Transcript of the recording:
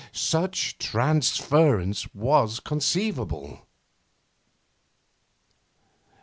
Such transference was conceivable.